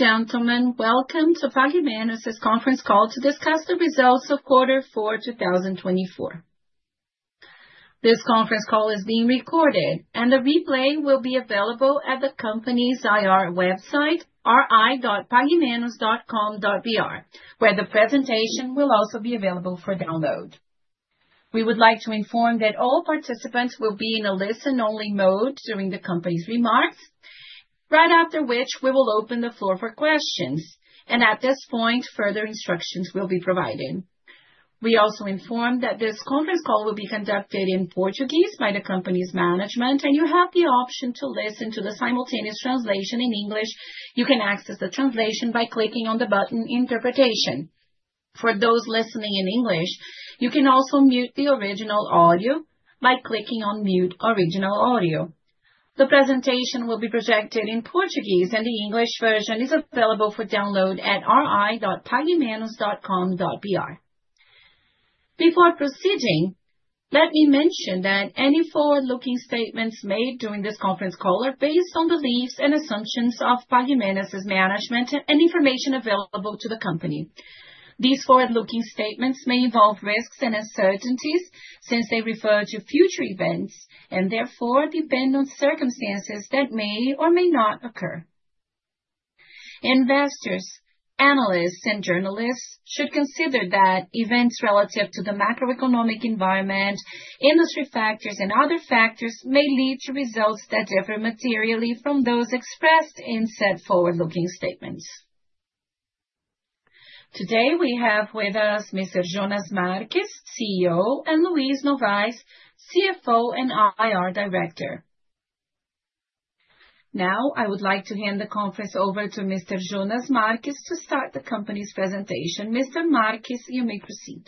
Ladies and gentlemen, welcome to Pague Menos' conference call to discuss the results of Quarter 4, 2024. This conference call is being recorded, and the replay will be available at the company's IR website, ri.paguemenos.com.br, where the presentation will also be available for download. We would like to inform that all participants will be in a listen-only mode during the company's remarks, right after which we will open the floor for questions, and at this point, further instructions will be provided. We also inform that this conference call will be conducted in Portuguese by the company's management, and you have the option to listen to the simultaneous translation in English. You can access the translation by clicking on the button "Interpretation." For those listening in English, you can also mute the original audio by clicking on "Mute Original Audio." The presentation will be projected in Portuguese, and the English version is available for download at ri.paguemenos.com.br. Before proceeding, let me mention that any forward-looking statements made during this conference call are based on beliefs and assumptions of Pague Menos' management and information available to the company. These forward-looking statements may involve risks and uncertainties since they refer to future events and therefore depend on circumstances that may or may not occur. Investors, analysts, and journalists should consider that events relative to the macroeconomic environment, industry factors, and other factors may lead to results that differ materially from those expressed in said forward-looking statements. Today, we have with us Mr. Jonas Marques, CEO, and Luiz Novais, CFO and IR Director. Now, I would like to hand the conference over to Mr. Jonas Marques to start the company's presentation. Mr. Marques, you may proceed.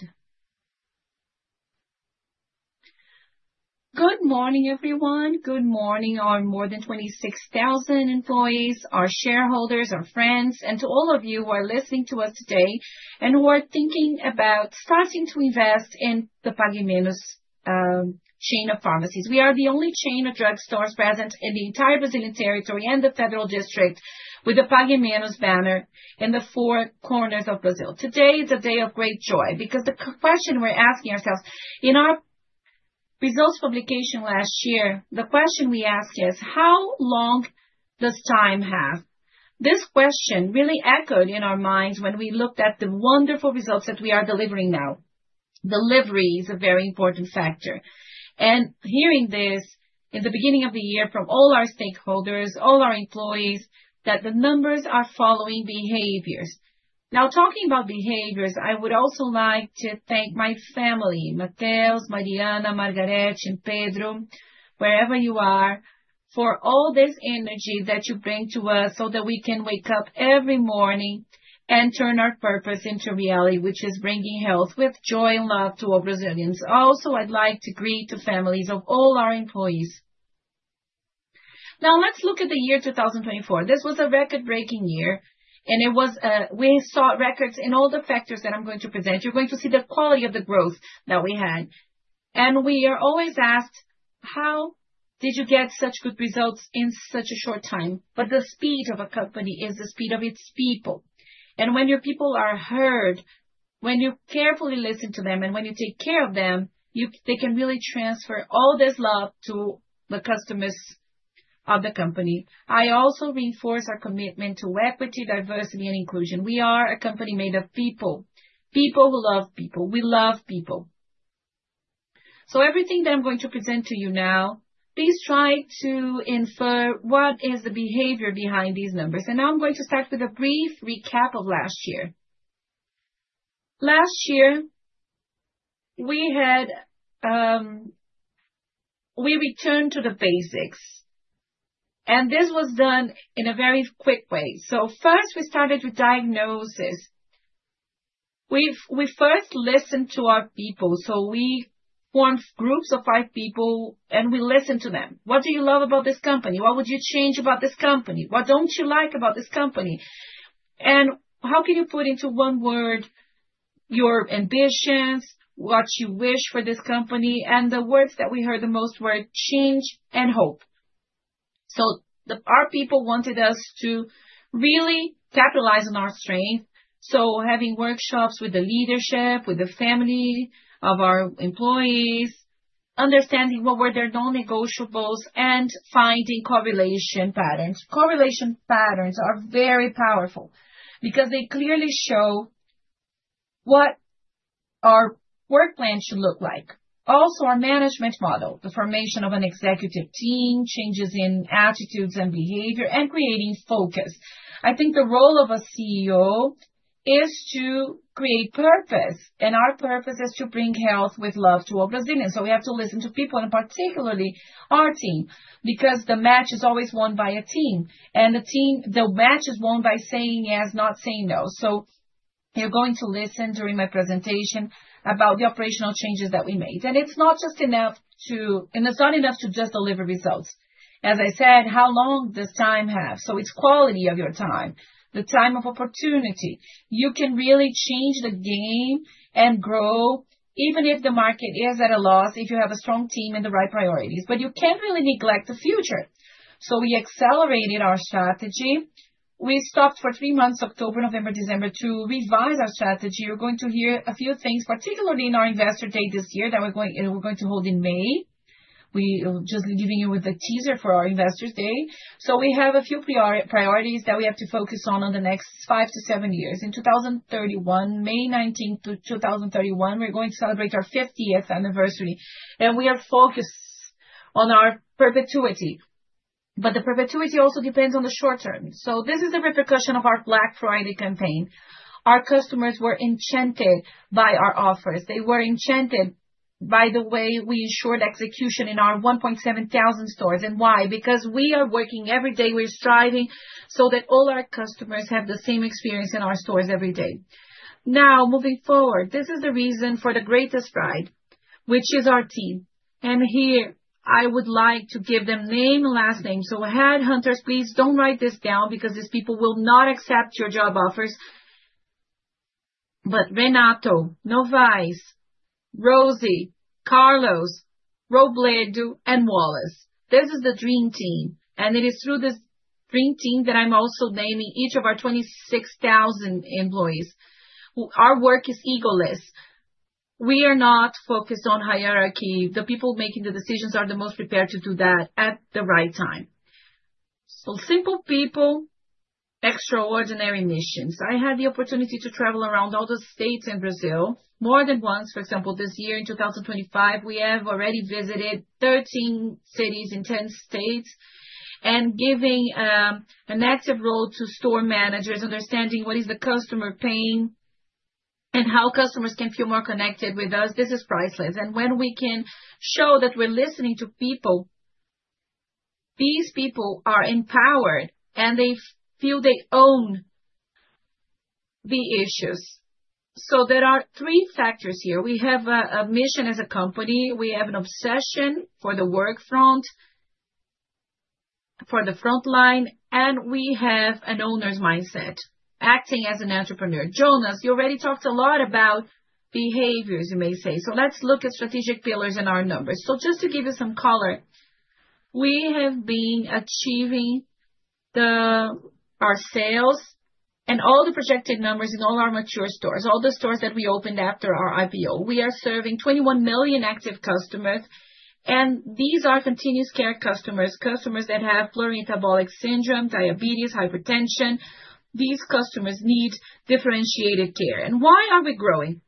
Good morning, everyone. Good morning to our more than 26,000 employees, our shareholders, our friends, and to all of you who are listening to us today and who are thinking about starting to invest in the Pague Menos chain of pharmacies. We are the only chain of drugstores present in the entire Brazilian territory and the Federal District with the Pague Menos banner in the four corners of Brazil. Today is a day of great joy because the question we're asking ourselves in our results publication last year, the question we asked is, "How long does time have?" This question really echoed in our minds when we looked at the wonderful results that we are delivering now. Delivery is a very important factor. Hearing this in the beginning of the year from all our stakeholders, all our employees, that the numbers are following behaviors. Now, talking about behaviors, I would also like to thank my family, Mateus, Mariana, Margarete, and Pedro, wherever you are, for all this energy that you bring to us so that we can wake up every morning and turn our purpose into reality, which is bringing health with joy and love to all Brazilians. Also, I'd like to greet the families of all our employees. Now, let's look at the year 2024. This was a record-breaking year, and we saw records in all the factors that I'm going to present. You are going to see the quality of the growth that we had. We are always asked, "How did you get such good results in such a short time?" The speed of a company is the speed of its people. When your people are heard, when you carefully listen to them, and when you take care of them, they can really transfer all this love to the customers of the company. I also reinforce our commitment to equity, diversity, and inclusion. We are a company made of people, people who love people. We love people. Everything that I'm going to present to you now, please try to infer what is the behavior behind these numbers. Now I'm going to start with a brief recap of last year. Last year, we returned to the basics, and this was done in a very quick way. First, we started with diagnosis. We first listened to our people. We formed groups of five people, and we listened to them. What do you love about this company? What would you change about this company? What do not you like about this company? How can you put into one word your ambitions, what you wish for this company? The words that we heard the most were change and hope. Our people wanted us to really capitalize on our strength. Having workshops with the leadership, with the family of our employees, understanding what were their non-negotiables, and finding correlation patterns. Correlation patterns are very powerful because they clearly show what our work plan should look like. Also, our management model, the formation of an executive team, changes in attitudes and behavior, and creating focus. I think the role of a CEO is to create purpose, and our purpose is to bring health with love to all Brazilians. We have to listen to people, and particularly our team, because the match is always won by a team, and the match is won by saying yes, not saying no. You're going to listen during my presentation about the operational changes that we made. It's not just enough to, and it's not enough to just deliver results. As I said, how long does time have? It's quality of your time, the time of opportunity. You can really change the game and grow even if the market is at a loss if you have a strong team and the right priorities, but you can't really neglect the future. We accelerated our strategy. We stopped for three months, October, November, December, to revise our strategy. You're going to hear a few things, particularly in our Investor Day this year that we're going to hold in May. We're just giving you a teaser for our Investor Day. We have a few priorities that we have to focus on in the next five to seven years. In 2031, May 19th to 2031, we're going to celebrate our 50th anniversary, and we are focused on our perpetuity. The perpetuity also depends on the short term. This is the repercussion of our Black Friday campaign. Our customers were enchanted by our offers. They were enchanted by the way we ensured execution in our 1,700 stores. Why? Because we are working every day. We're striving so that all our customers have the same experience in our stores every day. Now, moving forward, this is the reason for the greatest pride, which is our team. Here, I would like to give them name and last name. Headhunters, please do not write this down because these people will not accept your job offers. Renato, Novais, Rosie, Carlos, Robledo, and Wallace, this is the dream team. It is through this dream team that I am also naming each of our 26,000 employees. Our work is egoless. We are not focused on hierarchy. The people making the decisions are the most prepared to do that at the right time. Simple people, extraordinary missions. I had the opportunity to travel around all the states in Brazil more than once. For example, this year in 2025, we have already visited 13 cities in 10 states and given an active role to store managers, understanding what is the customer pain and how customers can feel more connected with us. This is priceless. When we can show that we're listening to people, these people are empowered and they feel they own the issues. There are three factors here. We have a mission as a company. We have an obsession for the work front, for the front line, and we have an owner's mindset, acting as an entrepreneur. Jonas, you already talked a lot about behaviors, you may say. Let's look at strategic pillars and our numbers. Just to give you some color, we have been achieving our sales and all the projected numbers in all our mature stores, all the stores that we opened after our IPO. We are serving 21 million active customers, and these are continuous care customers, customers that have plurimetabolic syndrome, diabetes, hypertension. These customers need differentiated care. Why are we growing?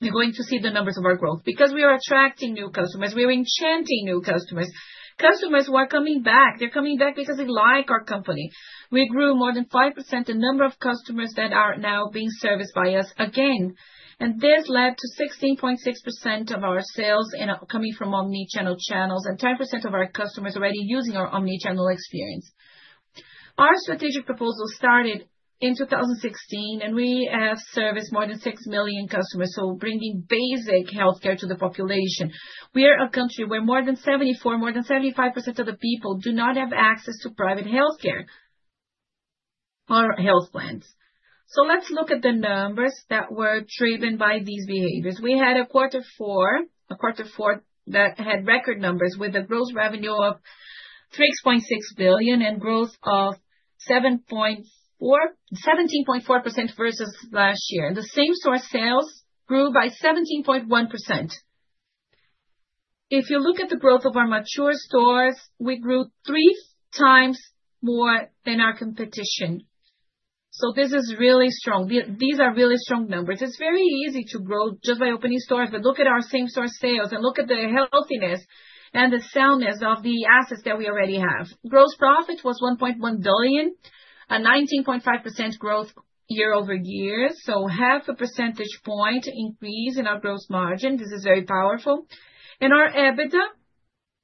You're going to see the numbers of our growth because we are attracting new customers. We are enchanting new customers. Customers who are coming back, they're coming back because they like our company. We grew more than 5% the number of customers that are now being serviced by us again. This led to 16.6% of our sales coming from omnichannel channels and 10% of our customers already using our omnichannel experience. Our strategic proposal started in 2016, and we have serviced more than 6 million customers, bringing basic healthcare to the population. We are a country where more than 74, more than 75% of the people do not have access to private healthcare or health plans. Let's look at the numbers that were driven by these behaviors. We had a quarter four, a quarter four that had record numbers with a gross revenue of 3.6 billion and growth of 17.4% versus last year. The same store sales grew by 17.1%. If you look at the growth of our mature stores, we grew three times more than our competition. This is really strong. These are really strong numbers. It's very easy to grow just by opening stores, but look at our same store sales and look at the healthiness and the soundness of the assets that we already have. Gross profit was 1.1 billion, a 19.5% growth year-over-year, so half a percentage point increase in our gross margin. This is very powerful. Our EBITDA,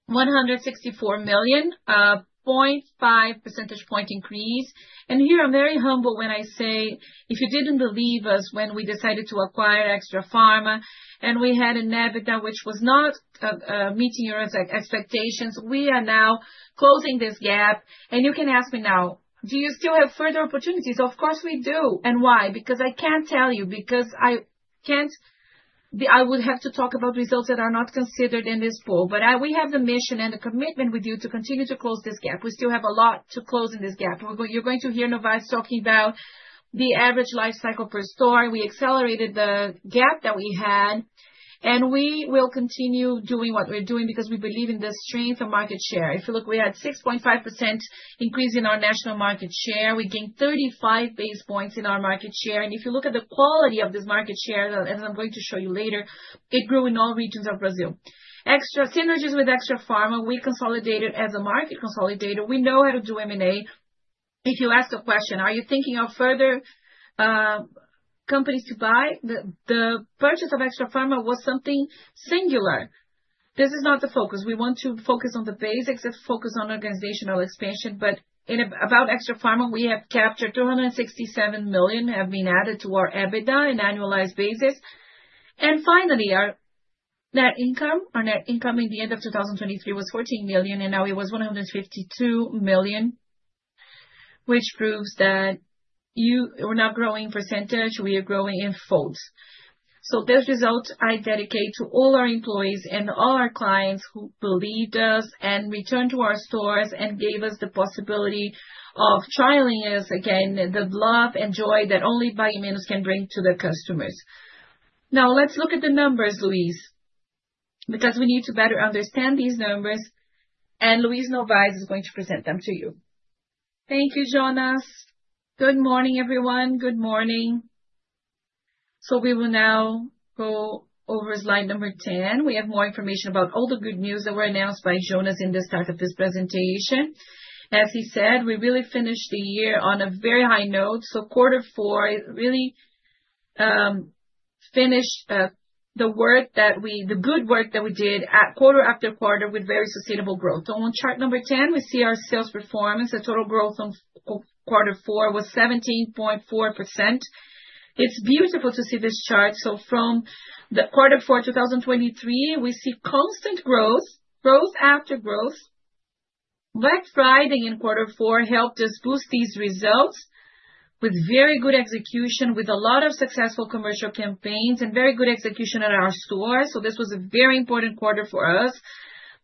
164 million, a 0.5 percentage point increase. Here I'm very humble when I say, if you didn't believe us when we decided to acquire Extrafarma and we had an EBITDA which was not meeting your expectations, we are now closing this gap. You can ask me now, do you still have further opportunities? Of course we do. Why? Because I can't tell you because I would have to talk about results that are not considered in this pool. We have the mission and the commitment with you to continue to close this gap. We still have a lot to close in this gap. You're going to hear Novais talking about the average life cycle per store. We accelerated the gap that we had, and we will continue doing what we're doing because we believe in the strength of market share. If you look, we had a 6.5% increase in our national market share. We gained 35 basis points in our market share. If you look at the quality of this market share, as I'm going to show you later, it grew in all regions of Brazil. Extra synergies with Extrafarma, we consolidated as a market consolidator. We know how to do M&A. If you ask a question, are you thinking of further companies to buy? The purchase of Extrafarma was something singular. This is not the focus. We want to focus on the basics and focus on organizational expansion. About Extrafarma, we have captured 267 million have been added to our EBITDA on an annualized basis. Finally, our net income, our net income in the end of 2023 was 14 million, and now it was 152 million, which proves that we're not growing in percentage. We are growing in folds. This result I dedicate to all our employees and all our clients who believed us and returned to our stores and gave us the possibility of trialing us again, the love and joy that only Pague Menos can bring to the customers. Now, let's look at the numbers, Luiz, because we need to better understand these numbers. And Luiz Novais is going to present them to you. Thank you, Jonas. Good morning, everyone. Good morning. We will now go over slide number 10. We have more information about all the good news that were announced by Jonas in the start of this presentation. As he said, we really finished the year on a very high note. Quarter four really finished the good work that we did quarter after quarter with very sustainable growth. On chart number 10, we see our sales performance. The total growth on quarter four was 17.4%. It's beautiful to see this chart. From the quarter four, 2023, we see constant growth, growth after growth. Black Friday in quarter four helped us boost these results with very good execution, with a lot of successful commercial campaigns and very good execution at our stores. This was a very important quarter for us.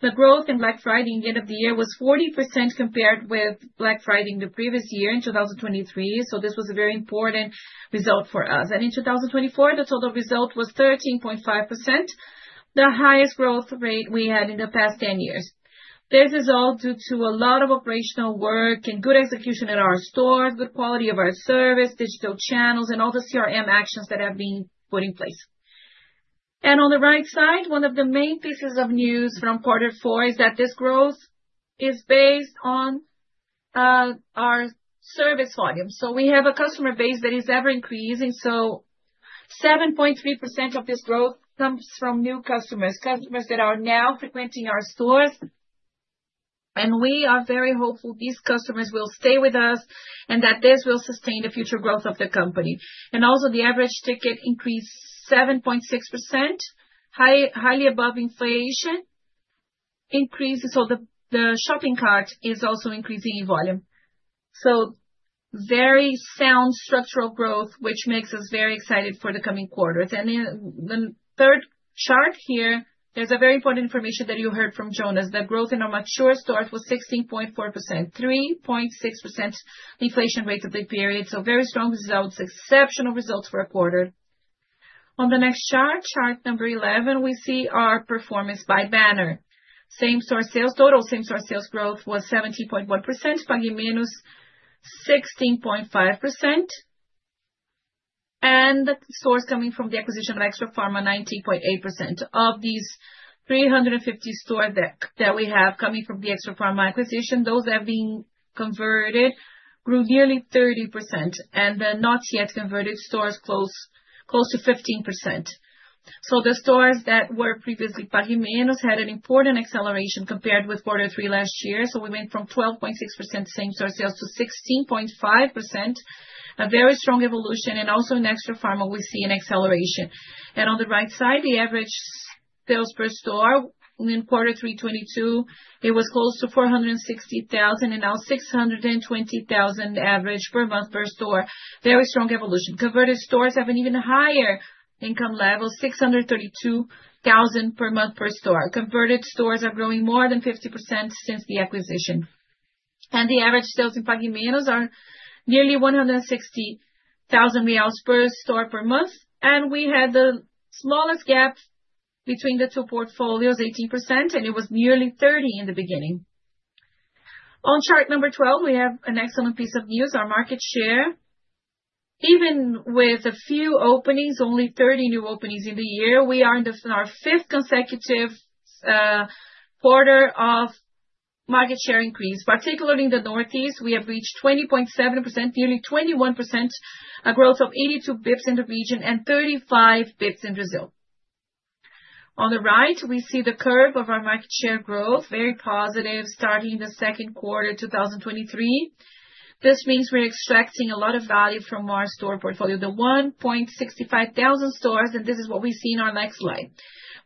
The growth in Black Friday in the end of the year was 40% compared with Black Friday in the previous year in 2023. This was a very important result for us. In 2024, the total result was 13.5%, the highest growth rate we had in the past 10 years. This is all due to a lot of operational work and good execution at our stores, good quality of our service, digital channels, and all the actions that have been put in place. On the right side, one of the main pieces of news from quarter four is that this growth is based on our service volume. We have a customer base that is ever increasing. 7.3% of this growth comes from new customers, customers that are now frequenting our stores. We are very hopeful these customers will stay with us and that this will sustain the future growth of the company. Also, the average ticket increased 7.6%, highly above inflation increases. The shopping cart is also increasing in volume. Very sound structural growth, which makes us very excited for the coming quarters. In the third chart here, there is very important information that you heard from Jonas. The growth in our mature stores was 16.4%, 3.6% inflation rate of the period. Very strong results, exceptional results for a quarter. On the next chart, chart number 11, we see our performance by banner. Same store sales total, same store sales growth was 17.1%, Pague Menos 16.5%. And the stores coming from the acquisition of Extrafarma, 19.8%. Of these 350 stores that we have coming from the Extrafarma acquisition, those that have been converted grew nearly 30%. And the not yet converted stores closed close to 15%. The stores that were previously Pague Menos had an important acceleration compared with quarter three last year. We went from 12.6% same store sales to 16.5%, a very strong evolution. Also in Extrafarma, we see an acceleration. On the right side, the average sales per store in quarter 3 2022, it was close to 460,000 and now 620,000 average per month per store. Very strong evolution. Converted stores have an even higher income level, 632,000 per month per store. Converted stores are growing more than 50% since the acquisition. The average sales in Pague Menos are nearly 160,000 real per store per month. We had the smallest gap between the two portfolios, 18%, and it was nearly 30% in the beginning. On chart number 12, we have an excellent piece of news. Our market share, even with a few openings, only 30 new openings in the year, we are in our fifth consecutive quarter of market share increase. Particularly in the Northeast, we have reached 20.7%, nearly 21%, a growth of 82 basis points in the region and 35 basis points in Brazil. On the right, we see the curve of our market share growth, very positive, starting in the second quarter 2023. This means we're extracting a lot of value from our store portfolio, the 1,650 stores. This is what we see in our next slide.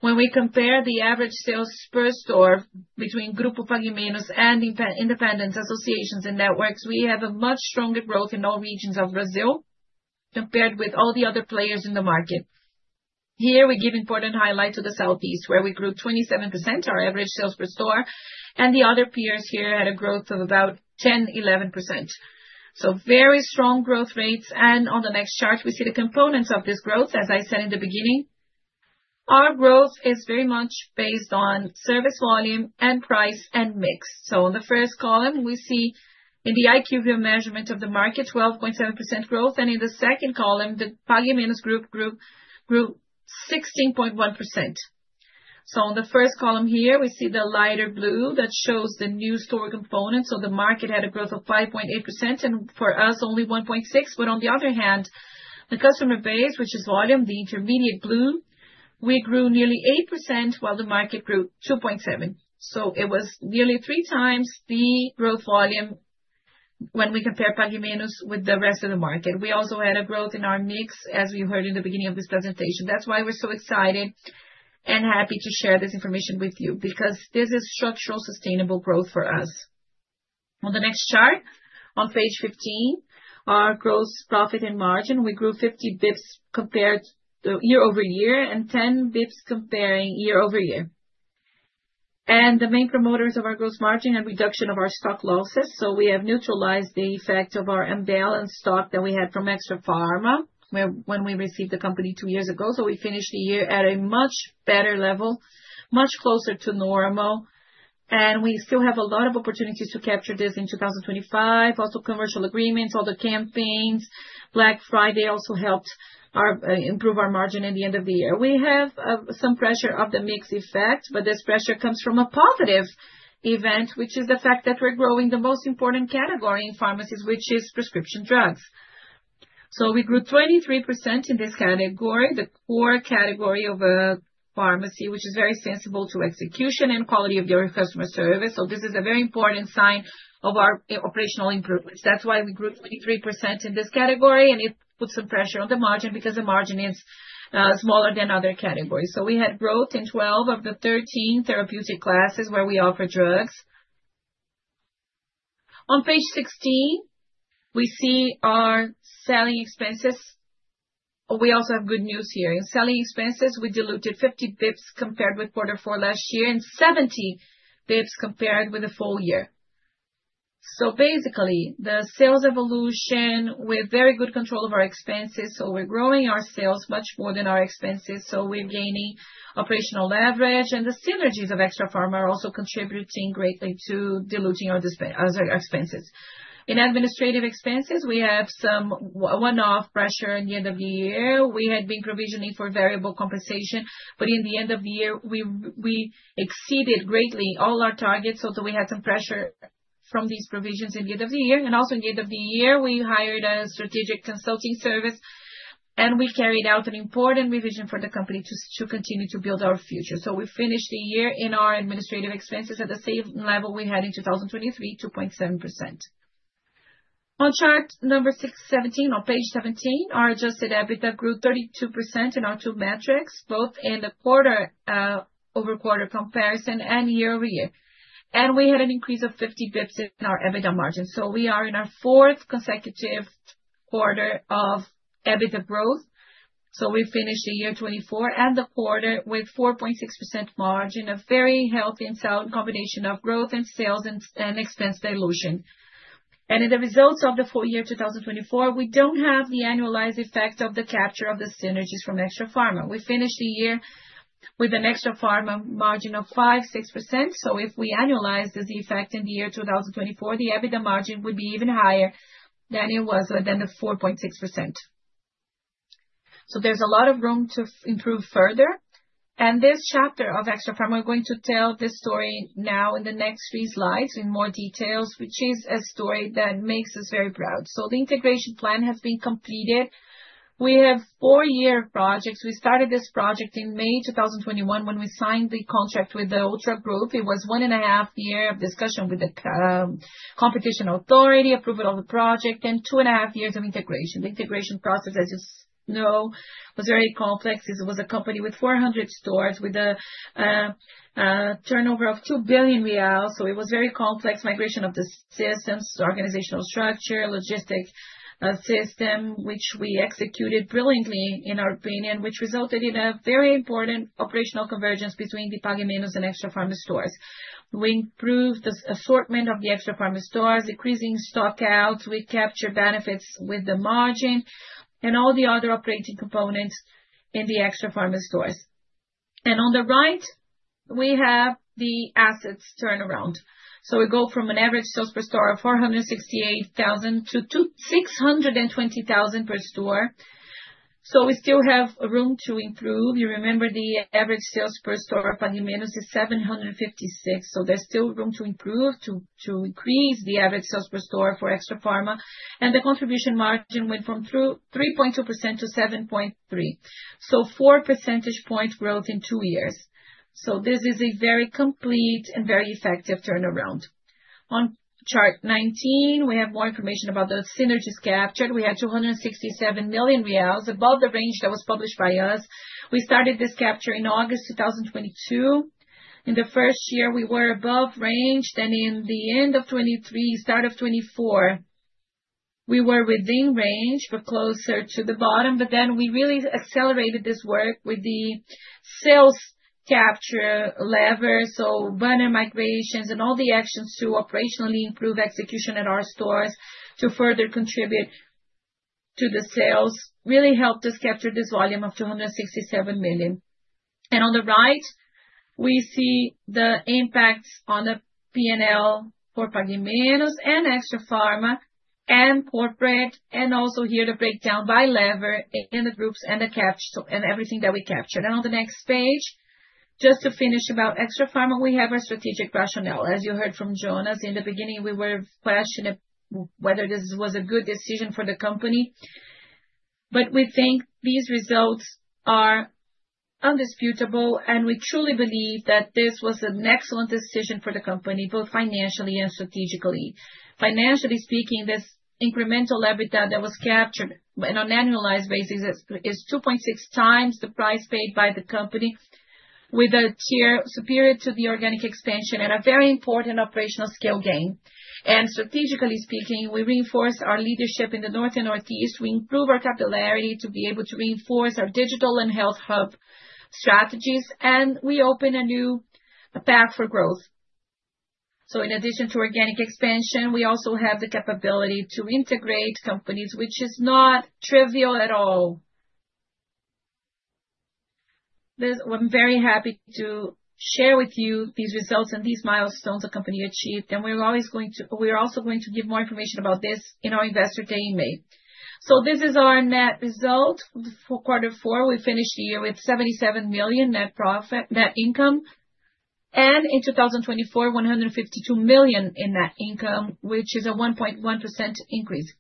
When we compare the average sales per store between Grupo Pague Menos and independent associations and networks, we have a much stronger growth in all regions of Brazil compared with all the other players in the market. Here we give important highlight to the Southeast, where we grew 27%, our average sales per store. The other peers here had a growth of about 10%-11%. Very strong growth rates. On the next chart, we see the components of this growth. As I said in the beginning, our growth is very much based on service volume and price and mix. On the first column, we see in the IQVIA measurement of the market, 12.7% growth. In the second column, the Pague Menos group grew 16.1%. On the first column here, we see the lighter blue that shows the new store components. The market had a growth of 5.8% and for us, only 1.6%. On the other hand, the customer base, which is volume, the intermediate blue, we grew nearly 8% while the market grew 2.7%. It was nearly three times the growth volume when we compare Pague Menos with the rest of the market. We also had a growth in our mix, as we heard in the beginning of this presentation. That is why we are so excited and happy to share this information with you, because this is structural sustainable growth for us. On the next chart, on page 15, our gross profit and margin, we grew 50 bps compared year-over-year and 10 bps comparing year-over-year. The main promoters of our gross margin and reduction of our stock losses. We have neutralized the effect of our unbalanced stock that we had from Extrafarma when we received the company two years ago. We finished the year at a much better level, much closer to normal. We still have a lot of opportunities to capture this in 2025. Also, commercial agreements, all the campaigns, Black Friday also helped improve our margin at the end of the year. We have some pressure of the mix effect, but this pressure comes from a positive event, which is the fact that we're growing the most important category in pharmacies, which is prescription drugs. We grew 23% in this category, the core category of a pharmacy, which is very sensible to execution and quality of your customer service. This is a very important sign of our operational improvements. That is why we grew 23% in this category. It puts some pressure on the margin because the margin is smaller than other categories. We had growth in 12 of the 13 therapeutic classes where we offer drugs. On page 16, we see our selling expenses. We also have good news here. In selling expenses, we diluted 50 bps compared with quarter four last year and 70 bps compared with the full year. Basically, the sales evolution, we have very good control of our expenses. We are growing our sales much more than our expenses. We are gaining operational leverage. The synergies of Extrafarma are also contributing greatly to diluting our expenses. In administrative expenses, we have some one-off pressure in the end of the year. We had been provisioning for variable compensation, but in the end of the year, we exceeded greatly all our targets. We had some pressure from these provisions in the end of the year. Also in the end of the year, we hired a strategic consulting service, and we carried out an important revision for the company to continue to build our future. We finished the year in our administrative expenses at the same level we had in 2023, 2.7%. On chart number 17, on page 17, our adjusted EBITDA grew 32% in our two metrics, both in the quarter-over-quarter comparison and year-over-year. We had an increase of 50 bps in our EBITDA margin. We are in our fourth consecutive quarter of EBITDA growth. We finished the year 2024 and the quarter with a 4.6% margin, a very healthy and sound combination of growth in sales and expense dilution. In the results of the full year 2024, we do not have the annualized effect of the capture of the synergies from Extrafarma. We finished the year with an Extrafarma margin of 5%-6%. If we annualize the effect in the year 2024, the EBITDA margin would be even higher than it was, than the 4.6%. There is a lot of room to improve further. This chapter of Extrafarma, we are going to tell this story now in the next three slides in more detail, which is a story that makes us very proud. The integration plan has been completed. We have four-year projects. We started this project in May 2021 when we signed the contract with Ultra Group. It was one and a half years of discussion with the competition authority, approval of the project, and two and a half years of integration. The integration process, as you know, was very complex. It was a company with 400 stores with a turnover of 2 billion real. It was a very complex migration of the systems, organizational structure, logistic system, which we executed brilliantly, in our opinion, which resulted in a very important operational convergence between the Pague Menos and Extrafarma stores. We improved the assortment of the Extrafarma stores, increasing stockouts. We captured benefits with the margin and all the other operating components in the Extrafarma stores. On the right, we have the assets turnaround. We go from an average sales per store of 468,000 to 620,000 per store. We still have room to improve. You remember the average sales per store of Pague Menos is 756. There is still room to improve, to increase the average sales per store for Extrafarma. The contribution margin went from 3.2% to 7.3%, so 4 percentage points growth in two years. This is a very complete and very effective turnaround. On chart 19, we have more information about the synergies captured. We had 267 million reais above the range that was published by us. We started this capture in August 2022. In the first year, we were above range. In the end of 2023, start of 2024, we were within range, but closer to the bottom. We really accelerated this work with the sales capture lever. Banner migrations and all the actions to operationally improve execution at our stores to further contribute to the sales really helped us capture this volume of 267 million. On the right, we see the impacts on the P&L for Pague Menos and Extrafarma and corporate. Also here the breakdown by lever in the groups and the capture and everything that we captured. On the next page, just to finish about Extrafarma, we have our strategic rationale. As you heard from Jonas, in the beginning, we were questioned whether this was a good decision for the company. We think these results are undisputable. We truly believe that this was an excellent decision for the company, both financially and strategically. Financially speaking, this incremental EBITDA that was captured on an annualized basis is 2.6x the price paid by the company with a tier superior to the organic expansion and a very important operational scale gain. Strategically speaking, we reinforce our leadership in the North and Northeast. We improve our capillarity to be able to reinforce our digital and health hub strategies. We open a new path for growth. In addition to organic expansion, we also have the capability to integrate companies, which is not trivial at all. I'm very happy to share with you these results and these milestones the company achieved. We're always going to, we're also going to give more information about this in our investor day in May. This is our net result for quarter four. We finished the year with 77 million net profit, net income. In 2024, 152 million in net income, which is a 1.1% increase.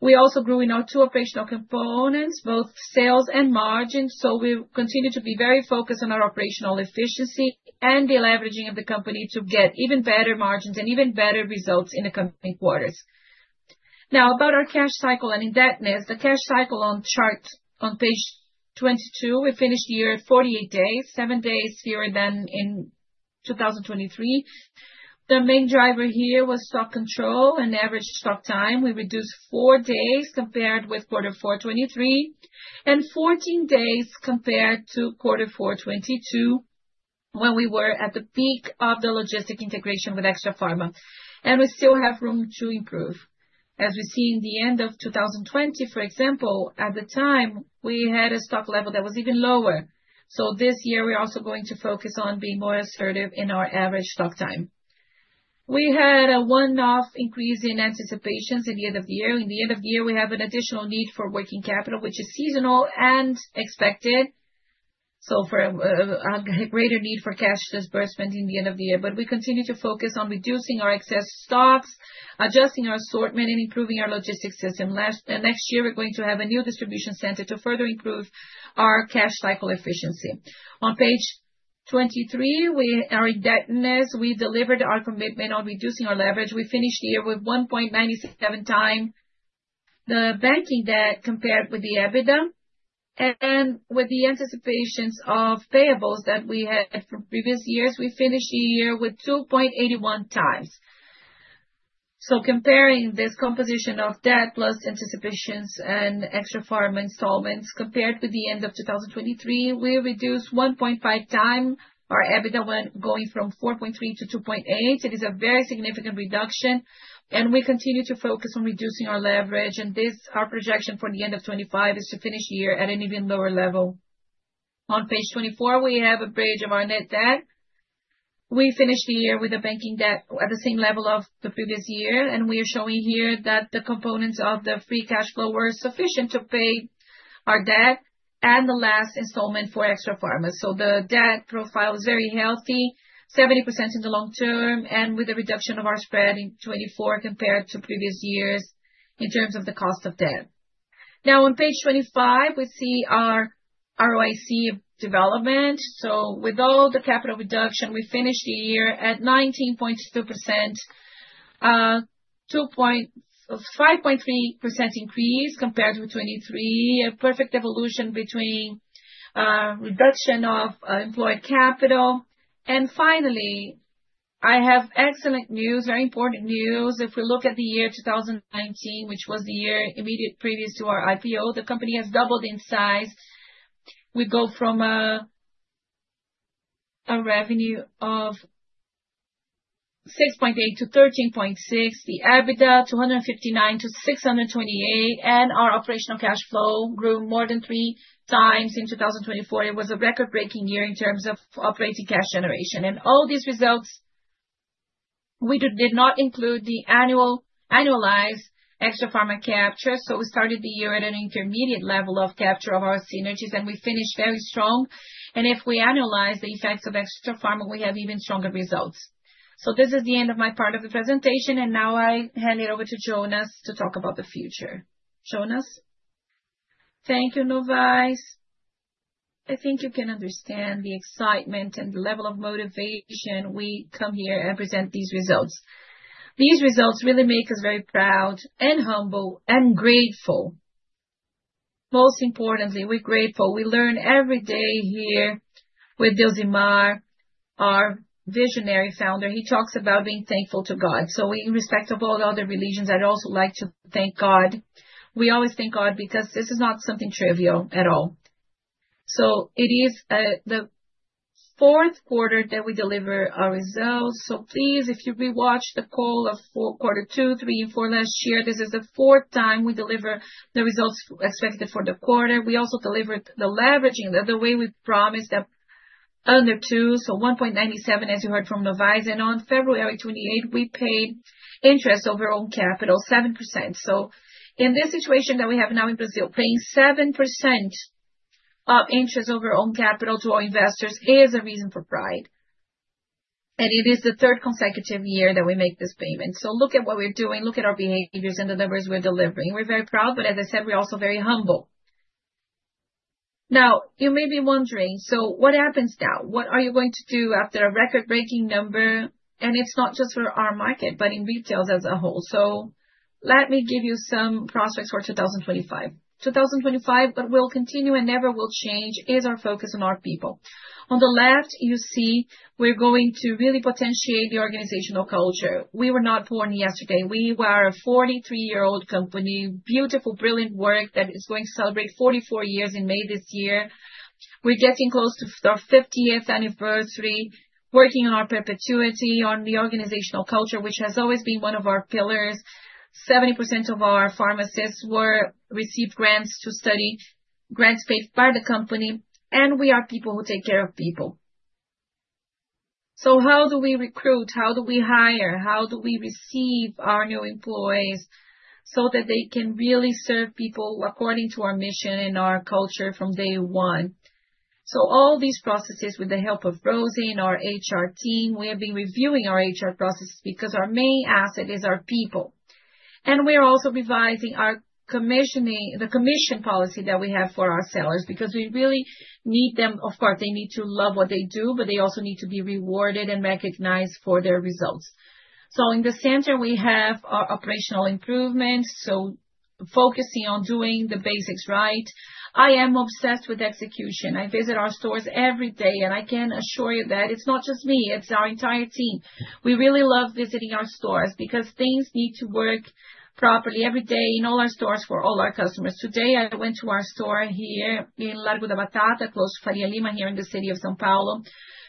We also grew in our two operational components, both sales and margin. We continue to be very focused on our operational efficiency and the leveraging of the company to get even better margins and even better results in the coming quarters. Now, about our cash cycle and indebtedness, the cash cycle on the chart on page 22, we finished the year at 48 days, seven days fewer than in 2023. The main driver here was stock control and average stock time. We reduced four days compared with quarter four 2023 and 14 days compared to quarter four 2022 when we were at the peak of the logistic integration with Extrafarma. We still have room to improve. As we see in the end of 2020, for example, at the time, we had a stock level that was even lower. This year, we're also going to focus on being more assertive in our average stock time. We had a one-off increase in anticipations in the end of the year. In the end of the year, we have an additional need for working capital, which is seasonal and expected. For a greater need for cash disbursement in the end of the year. We continue to focus on reducing our excess stocks, adjusting our assortment, and improving our logistics system. Next year, we're going to have a new distribution center to further improve our cash cycle efficiency. On page 23, our indebtedness, we delivered our commitment on reducing our leverage. We finished the year with 1.97x the banking debt compared with the EBITDA. With the anticipations of payables that we had from previous years, we finished the year with 2.81 times. Comparing this composition of debt plus anticipations and Extrafarma installments with the end of 2023, we reduced 1.5x our EBITDA when going from 4.3 to 2.8. It is a very significant reduction. We continue to focus on reducing our leverage. Our projection for the end of 2025 is to finish the year at an even lower level. On page 24, we have a bridge of our net debt. We finished the year with a banking debt at the same level of the previous year. We are showing here that the components of the free cash flow were sufficient to pay our debt and the last installment for Extrafarma. The debt profile is very healthy, 70% in the long term, and with the reduction of our spread in 2024 compared to previous years in terms of the cost of debt. Now, on page 25, we see our ROIC development. With all the capital reduction, we finished the year at 19.2%, a 5.3% increase compared with 2023, a perfect evolution between reduction of employed capital. Finally, I have excellent news, very important news. If we look at the year 2019, which was the year immediate previous to our IPO, the company has doubled in size. We go from a revenue of 6.8 billion to 13.6 billion, the EBITDA 259 million to 628 million, and our operational cash flow grew more than three times in 2024. It was a record-breaking year in terms of operating cash generation. All these results, we did not include the annualized Extrafarma capture. We started the year at an intermediate level of capture of our synergies, and we finished very strong. If we annualize the effects of Extrafarma, we have even stronger results. This is the end of my part of the presentation. Now I hand it over to Jonas to talk about the future. Jonas? Thank you, Novais. I think you can understand the excitement and the level of motivation we come here and present these results. These results really make us very proud and humble and grateful. Most importantly, we're grateful. We learn every day here with Deusmar, our visionary founder. He talks about being thankful to God. In respect of all other religions, I'd also like to thank God. We always thank God because this is not something trivial at all. It is the fourth quarter that we deliver our results. Please, if you rewatch the call of quarter two, three, and four last year, this is the fourth time we deliver the results expected for the quarter. We also delivered the leveraging the way we promised that under two. So 1.97, as you heard from Novais. On February 28, we paid interest over own capital, 7%. In this situation that we have now in Brazil, paying 7% of interest over own capital to our investors is a reason for pride. It is the third consecutive year that we make this payment. Look at what we're doing. Look at our behaviors and the numbers we're delivering. We're very proud, but as I said, we're also very humble. You may be wondering, what happens now? What are you going to do after a record-breaking number? It is not just for our market, but in retails as a whole. Let me give you some prospects for 2025. 2025, but what will continue and never will change is our focus on our people. On the left, you see we are going to really potentiate the organizational culture. We were not born yesterday. We are a 43-year-old company, beautiful, brilliant work that is going to celebrate 44 years in May this year. We are getting close to our 50th anniversary, working on our perpetuity on the organizational culture, which has always been one of our pillars. 70% of our pharmacists received grants to study, grants paid by the company. We are people who take care of people. How do we recruit? How do we hire? How do we receive our new employees so that they can really serve people according to our mission and our culture from day one? All these processes, with the help of Rosie, our HR team, we have been reviewing our HR processes because our main asset is our people. We are also revising the commission policy that we have for our sellers because we really need them. Of course, they need to love what they do, but they also need to be rewarded and recognized for their results. In the center, we have our operational improvement, focusing on doing the basics right. I am obsessed with execution. I visit our stores every day. I can assure you that it is not just me. It is our entire team. We really love visiting our stores because things need to work properly every day in all our stores for all our customers. Today, I went to our store here in Largo da Batata, close to Faria Lima, here in the city of São Paulo,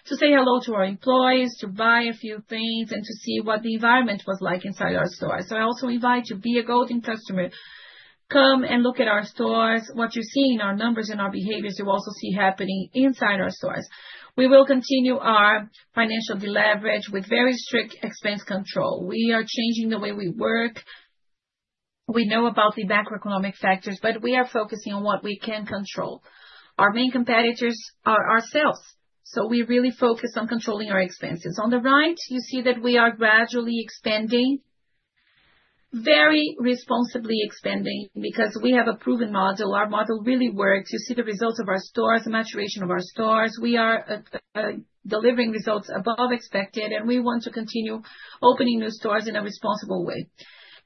to say hello to our employees, to buy a few things, and to see what the environment was like inside our store. I also invite you, be a golden customer, come and look at our stores, what you see in our numbers and our behaviors you also see happening inside our stores. We will continue our financial deleverage with very strict expense control. We are changing the way we work. We know about the macroeconomic factors, but we are focusing on what we can control. Our main competitors are ourselves. We really focus on controlling our expenses. On the right, you see that we are gradually expanding, very responsibly expanding because we have a proven model. Our model really works. You see the results of our stores, the maturation of our stores. We are delivering results above expected, and we want to continue opening new stores in a responsible way.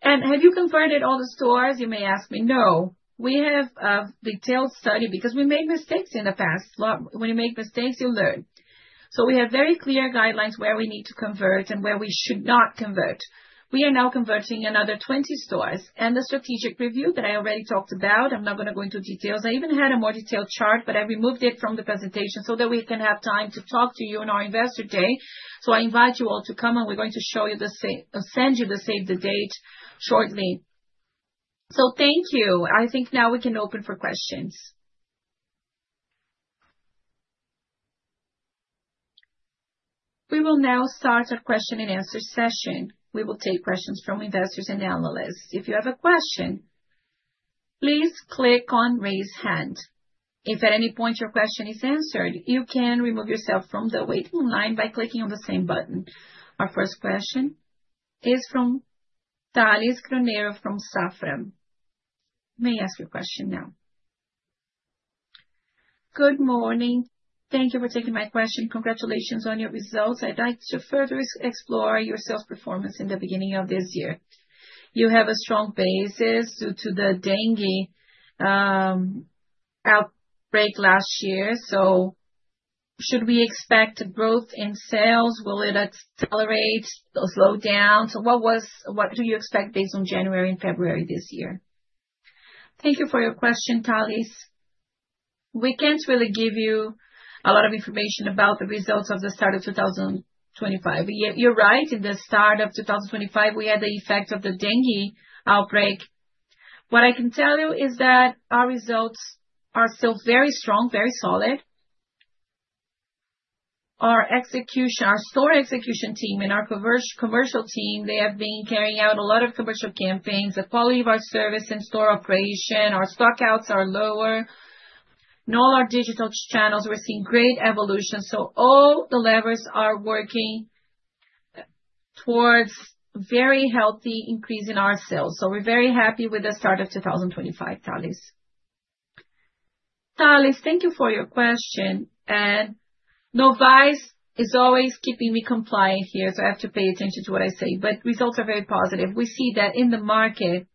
Have you converted all the stores? You may ask me. No. We have a detailed study because we made mistakes in the past. When you make mistakes, you learn. We have very clear guidelines where we need to convert and where we should not convert. We are now converting another 20 stores. The strategic review that I already talked about, I am not going to go into details. I even had a more detailed chart, but I removed it from the presentation so that we can have time to talk to you on our Investor Day. I invite you all to come, and we are going to show you the send you the save the date shortly. Thank you. I think now we can open for questions. We will now start our question and answer session. We will take questions from investors and analysts. If you have a question, please click on raise hand. If at any point your question is answered, you can remove yourself from the waiting line by clicking on the same button. Our first question is from Tales Granello from Safra. May I ask your question now? Good morning. Thank you for taking my question. Congratulations on your results. I'd like to further explore your sales performance in the beginning of this year. You have a strong basis due to the dengue outbreak last year. Should we expect growth in sales? Will it accelerate or slow down? What do you expect based on January and February this year? Thank you for your question, Tales. We can't really give you a lot of information about the results of the start of 2025. You're right. In the start of 2025, we had the effect of the dengue outbreak. What I can tell you is that our results are still very strong, very solid. Our store execution team and our commercial team, they have been carrying out a lot of commercial campaigns. The quality of our service and store operation, our stock outs are lower. In all our digital channels, we're seeing great evolution. All the levers are working towards very healthy increase in our sales. We are very happy with the start of 2025, Tales. Tales, thank you for your question. Novais is always keeping me compliant here, so I have to pay attention to what I say. Results are very positive. We see that in the market,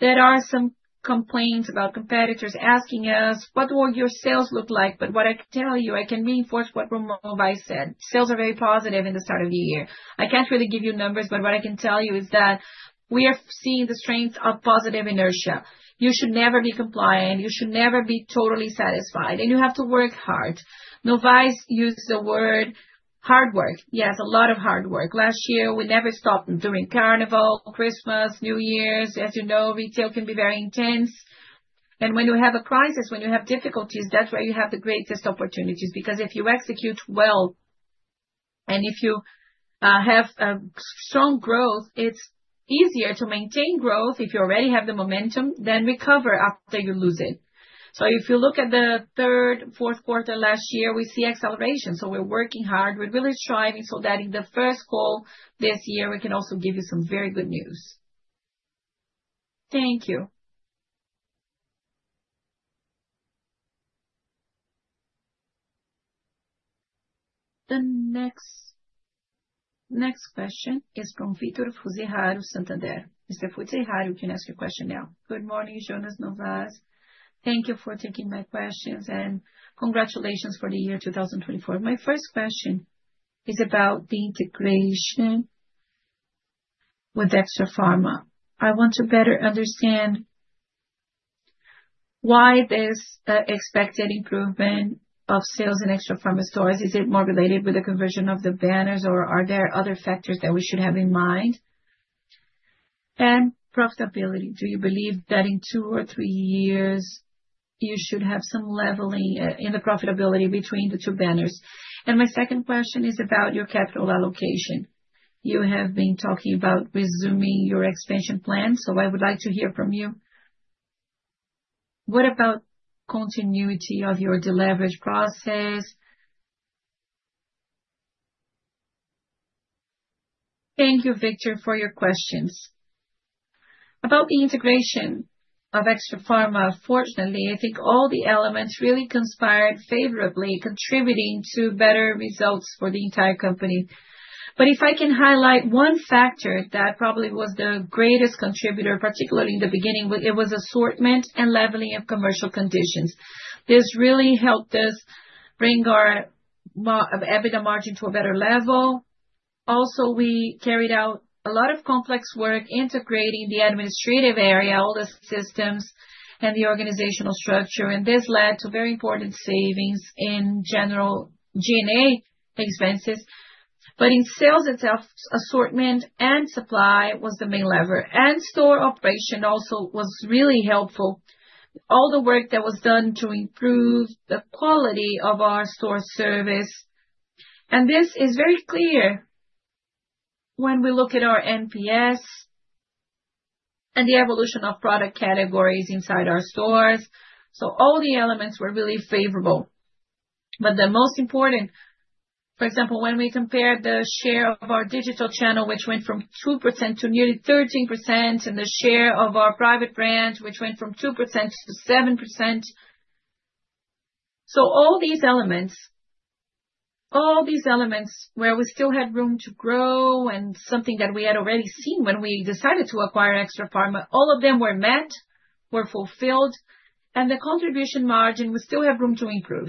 there are some complaints about competitors asking us, "What will your sales look like?" What I can tell you, I can reinforce what Novais said. Sales are very positive in the start of the year. I cannot really give you numbers, but what I can tell you is that we are seeing the strength of positive inertia. You should never be compliant. You should never be totally satisfied. You have to work hard. Novais used the word hard work. Yes, a lot of hard work. Last year, we never stopped during Carnival, Christmas, New Year's. As you know, retail can be very intense. When you have a crisis, when you have difficulties, that's where you have the greatest opportunities. Because if you execute well and if you have strong growth, it's easier to maintain growth if you already have the momentum than recover after you lose it. If you look at the third, fourth quarter last year, we see acceleration. We're working hard. We're really striving so that in the first call this year, we can also give you some very good news. Thank you. The next question is from Vítor Fuziharo Santander. Mr. Fuziharo, you can ask your question now. Good morning, Jonas, Novais. Thank you for taking my questions and congratulations for the year 2024. My first question is about the integration with Extrafarma. I want to better understand why this expected improvement of sales in Extrafarma stores. Is it more related with the conversion of the banners, or are there other factors that we should have in mind? And profitability. Do you believe that in two or three years, you should have some leveling in the profitability between the two banners? My second question is about your capital allocation. You have been talking about resuming your expansion plan, so I would like to hear from you. What about continuity of your deleverage process? Thank you, Vitor, for your questions. About the integration of Extrafarma, fortunately, I think all the elements really conspired favorably, contributing to better results for the entire company. If I can highlight one factor that probably was the greatest contributor, particularly in the beginning, it was assortment and leveling of commercial conditions. This really helped us bring our EBITDA margin to a better level. Also, we carried out a lot of complex work integrating the administrative area, all the systems, and the organizational structure. This led to very important savings in general G&A expenses. In sales itself, assortment and supply was the main lever. Store operation also was really helpful. All the work that was done to improve the quality of our store service is very clear when we look at our NPS and the evolution of product categories inside our stores. All the elements were really favorable. The most important, for example, when we compared the share of our digital channel, which went from 2% to nearly 13%, and the share of our private brand, which went from 2% to 7%. All these elements, all these elements where we still had room to grow and something that we had already seen when we decided to acquire Extrafarma, all of them were met, were fulfilled. The contribution margin, we still have room to improve.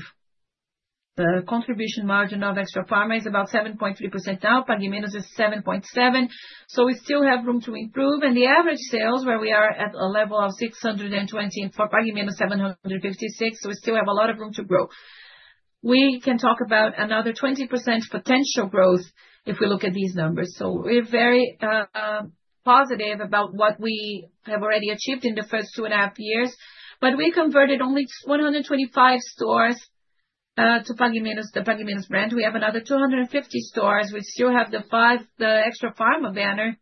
The contribution margin of Extrafarma is about 7.3% now. Pague Menos is 7.7%. We still have room to improve. The average sales, where we are at a level of 620 and for Pague Menos 756. We still have a lot of room to grow. We can talk about another 20% potential growth if we look at these numbers. We are very positive about what we have already achieved in the first two and a half years. We converted only 125 stores to Pague Menos, the Pague Menos brand. We have another 250 stores. We still have the Extrafarma banner.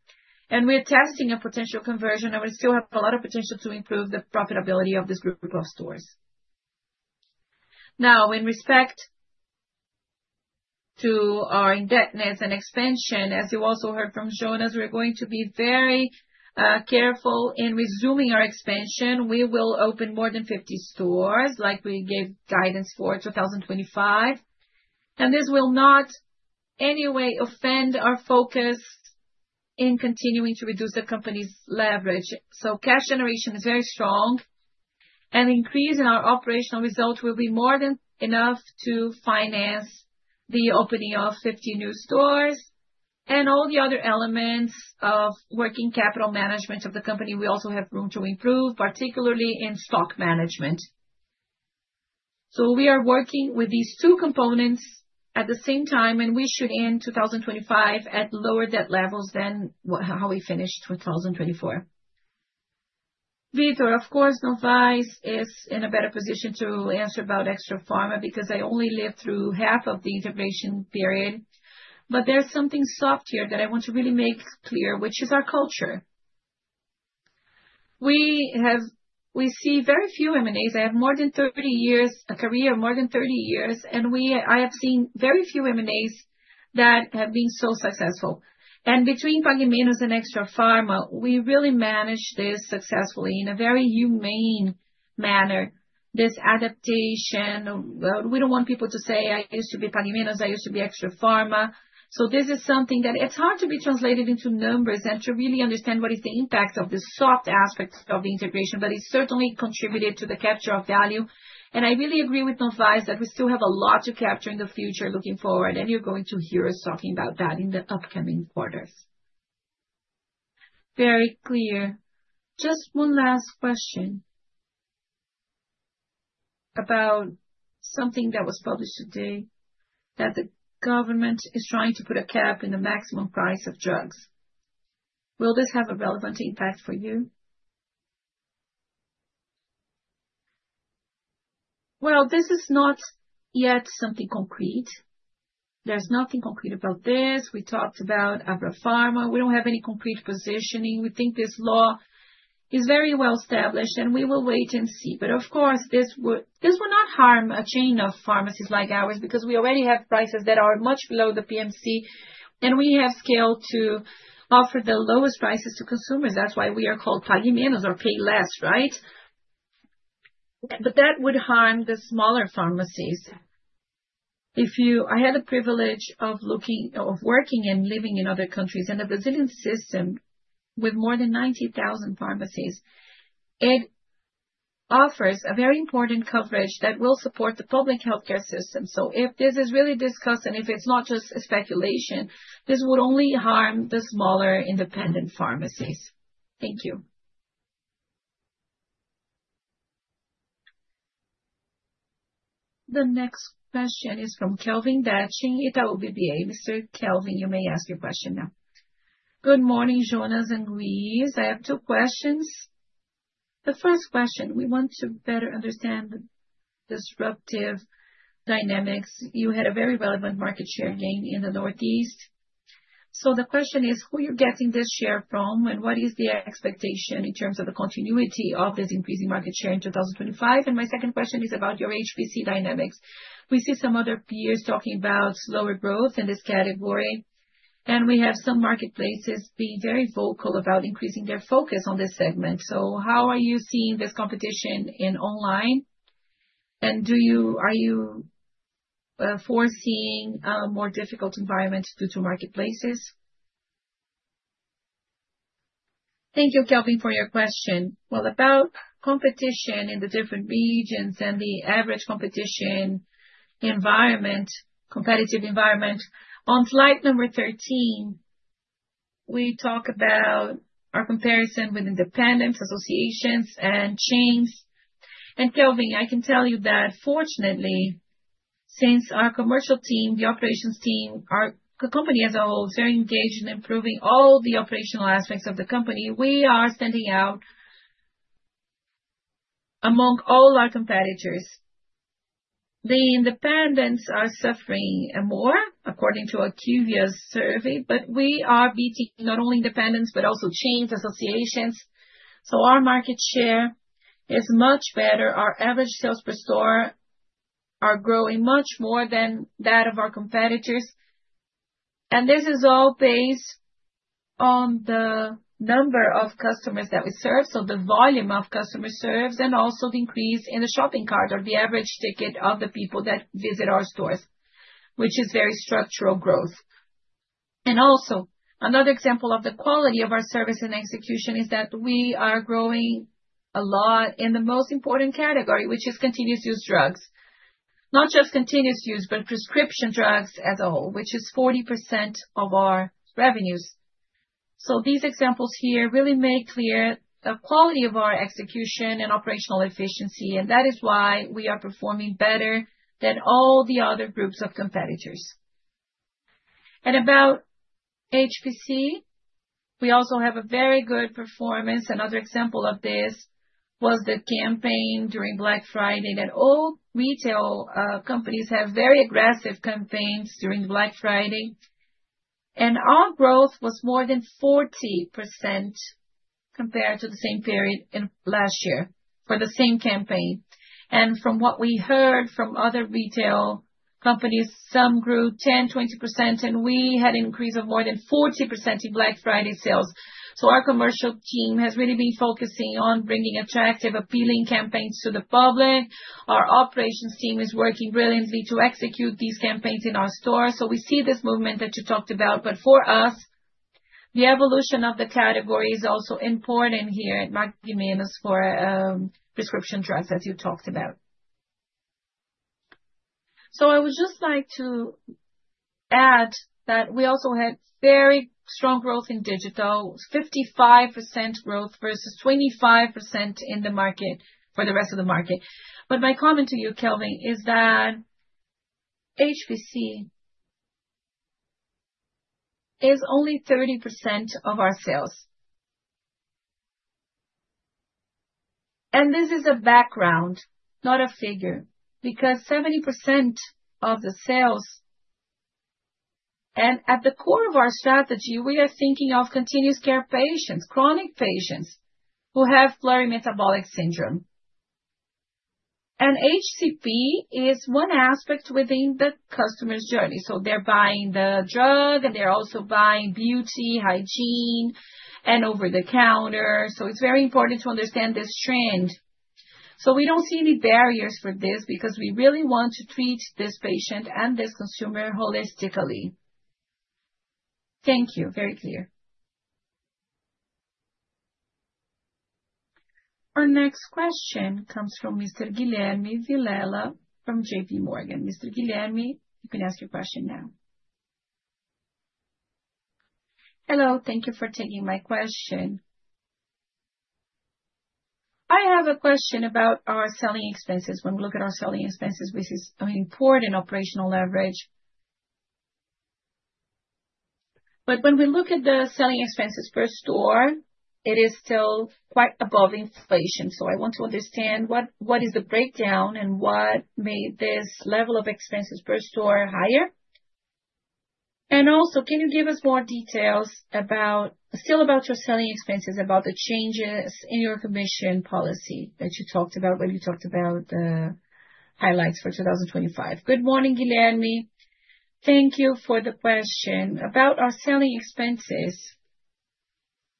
We are testing a potential conversion. We still have a lot of potential to improve the profitability of this group of stores. Now, in respect to our indebtedness and expansion, as you also heard from Jonas, we are going to be very careful in resuming our expansion. We will open more than 50 stores like we gave guidance for 2025. This will not in any way offend our focus in continuing to reduce the company's leverage. Cash generation is very strong. The increase in our operational results will be more than enough to finance the opening of 50 new stores. All the other elements of working capital management of the company, we also have room to improve, particularly in stock management. We are working with these two components at the same time. We should end 2025 at lower debt levels than how we finished 2024. Vítor, of course, Novais is in a better position to answer about Extrafarma because I only lived through half of the integration period. There is something soft here that I want to really make clear, which is our culture. We see very few M&As. I have more than 30 years of career, more than 30 years. I have seen very few M&As that have been so successful. Between Pague Menos and Extrafarma, we really managed this successfully in a very humane manner. This adaptation, we do not want people to say, "I used to be Pague Menos. I used to be Extrafarma." This is something that is hard to be translated into numbers and to really understand what is the impact of the soft aspect of the integration. It certainly contributed to the capture of value. I really agree with Novais that we still have a lot to capture in the future looking forward. You are going to hear us talking about that in the upcoming quarters. Very clear. Just one last question about something that was published today that the government is trying to put a cap in the maximum price of drugs. Will this have a relevant impact for you? This is not yet something concrete. There is nothing concrete about this. We talked about Abrafarma. We do not have any concrete positioning. We think this law is very well established, and we will wait and see. Of course, this will not harm a chain of pharmacies like ours because we already have prices that are much below the PMC. We have scale to offer the lowest prices to consumers. That's why we are called Pague Menos or pay less, right? That would harm the smaller pharmacies. I had the privilege of working and living in other countries, and a Brazilian system with more than 90,000 pharmacies offers a very important coverage that will support the public healthcare system. If this is really discussed and if it's not just speculation, this would only harm the smaller independent pharmacies. Thank you. The next question is from Kelvin Daci, Itaú BBA. Mr. Kelvin, you may ask your question now. Good morning, Jonas and Luiz. I have two questions. The first question, we want to better understand the disruptive dynamics. You had a very relevant market share gain in the Northeast. The question is, who are you getting this share from, and what is the expectation in terms of the continuity of this increasing market share in 2025? My second question is about your HPC dynamics. We see some other peers talking about slower growth in this category. We have some marketplaces being very vocal about increasing their focus on this segment. How are you seeing this competition in online? Are you foreseeing a more difficult environment due to marketplaces? Thank you, Kelvin, for your question. About competition in the different regions and the average competition environment, competitive environment, on slide number 13, we talk about our comparison with independent associations and chains. Kelvin, I can tell you that, fortunately, since our commercial team, the operations team, our company as a whole is very engaged in improving all the operational aspects of the company. We are standing out among all our competitors. The independents are suffering more, according to a IQVIA survey, but we are beating not only independents, but also chains, associations. Our market share is much better. Our average sales per store are growing much more than that of our competitors. This is all based on the number of customers that we serve. The volume of customers served and also the increase in the shopping cart or the average ticket of the people that visit our stores, which is very structural growth. Another example of the quality of our service and execution is that we are growing a lot in the most important category, which is continuous use drugs. Not just continuous use, but prescription drugs as a whole, which is 40% of our revenues. These examples here really make clear the quality of our execution and operational efficiency. That is why we are performing better than all the other groups of competitors. About HPC, we also have a very good performance. Another example of this was the campaign during Black Friday. All retail companies have very aggressive campaigns during Black Friday. Our growth was more than 40% compared to the same period last year for the same campaign. From what we heard from other retail companies, some grew 10%-20%, and we had an increase of more than 40% in Black Friday sales. Our commercial team has really been focusing on bringing attractive, appealing campaigns to the public. Our operations team is working brilliantly to execute these campaigns in our stores. We see this movement that you talked about. For us, the evolution of the category is also important here at Pague Menos for prescription drugs, as you talked about. I would just like to add that we also had very strong growth in digital, 55% growth versus 25% in the market for the rest of the market. My comment to you, Kelvin, is that HPC is only 30% of our sales. This is a background, not a figure, because 70% of the sales. At the core of our strategy, we are thinking of continuous care patients, chronic patients who have plurimetabolic syndrome. HCP is one aspect within the customer's journey. They are buying the drug, and they are also buying beauty, hygiene, and. It is very important to understand this trend. We do not see any barriers for this because we really want to treat this patient and this consumer holistically. Thank you. Very clear. Our next question comes from Mr. Guilherme Vilela from JPMorgan. Mr. Guilherme, you can ask your question now. Hello. Thank you for taking my question. I have a question about our selling expenses. When we look at our selling expenses, which is an important operational leverage. When we look at the selling expenses per store, it is still quite above inflation. I want to understand what is the breakdown and what made this level of expenses per store higher. Also, can you give us more details still about your selling expenses, about the changes in your commission policy that you talked about when you talked about the highlights for 2025? Good morning, Guilherme. Thank you for the question. About our selling expenses,